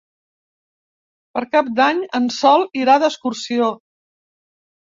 Per Cap d'Any en Sol irà d'excursió.